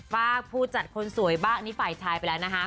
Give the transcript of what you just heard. ฝากผู้จัดคนสวยบ้างนี่ฝ่ายชายไปแล้วนะฮะ